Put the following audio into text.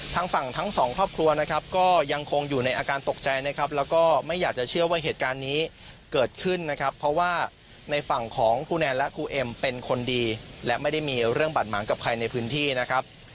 ทางฝั่งทั้งสองครอบครัวนะครับก็ยังคงอยู่ในอาการตกใจนะครับแล้วก็ไม่อยากจะเชื่อว่าเหตุการณ์นี้เกิดขึ้นนะครับเพราะว่าในฝั่งของครูแนนและครูเอ็มเป็นคนดีและไม่ได้มีเรื่องบาดหมางกับใครในพื้นที่นะครับ